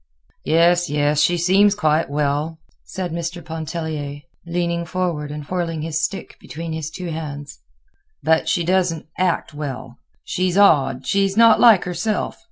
"Yes, yes; she seems quite well," said Mr. Pontellier, leaning forward and whirling his stick between his two hands; "but she doesn't act well. She's odd, she's not like herself.